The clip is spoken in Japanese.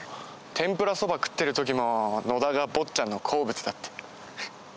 天ぷらそば食ってる時も野田が「坊っちゃんの好物だ」って。